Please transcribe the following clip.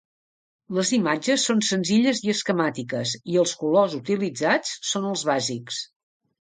Les imatges són senzilles i esquemàtiques, i els colors utilitzats són els bàsics.